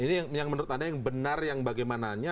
ini yang menurut anda yang benar yang bagaimana nya